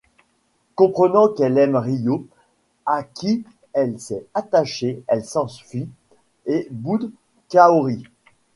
Comprenant qu'elle aime Ryô à qui elle s'est attachée elle s'enfuit, et boude Kaori.